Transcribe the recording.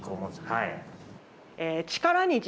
はい。